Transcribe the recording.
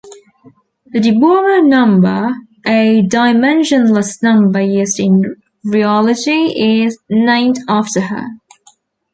The Deborah number, a dimensionless number used in rheology, is named after her.